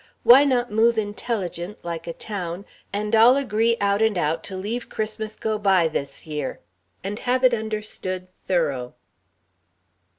Why not move intelligent, like a town, and all agree out and out to leave Christmas go by this year? And have it understood, thorough?"